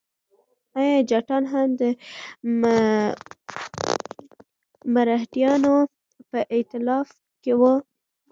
ایا جټان هم د مرهټیانو په ائتلاف کې وو؟